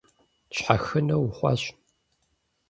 Щхьэхынэ ухъуащ.